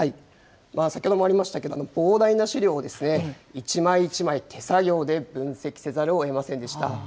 先ほどもありましたけれども、膨大な資料を一枚一枚手作業で分析せざるをえませんでした。